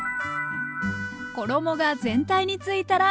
衣が全体についたらＯＫ！